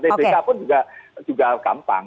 tbk pun juga gampang